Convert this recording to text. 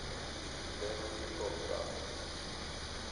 Beverley Goddard